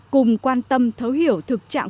cùng quan tâm thấu hiểu thực trạng